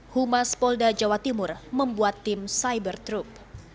humas polda jawa timur membuat tim cyber troup